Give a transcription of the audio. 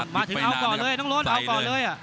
มาถึงเอาก่อนเลยน้องรถเอาก่อนเลย